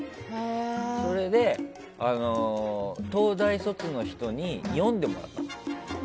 それで、東大卒の人に読んでもらったの。